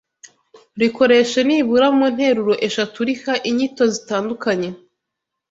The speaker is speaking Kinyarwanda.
Rikoreshe nibura mu nteruro eshatu uriha inyito zitandukanye